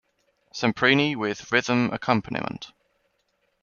Semprini with Rhythm Acc.